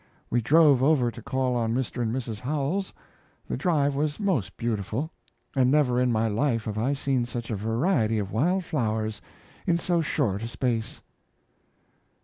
We drove over to call on Mr. and Mrs. Howells. The drive was most beautiful, and never in my life have I seen such a variety of wild flowers in so short a space.